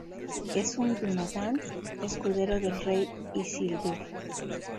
Es un dúnadan, escudero del rey Isildur.